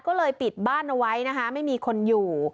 ก็เลยปิดบ้านเอาไว้นะคะไม่มีคนอยู่